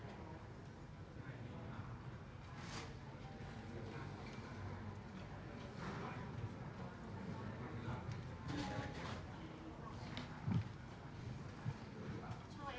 ข้างข้างไม่ได้ข้างข้างไม่ได้